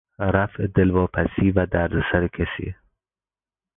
رفع دلواپسی و دردسر کسی